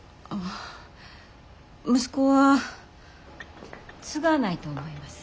息子は継がないと思います。